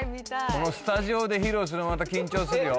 このスタジオで披露するのまた緊張するよ